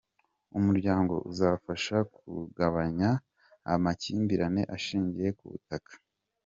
Umuryango uzafasha kugabanya amakimbirane ashingiye ku butaka